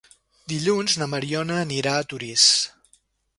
Dilluns na Mariona anirà a Torís.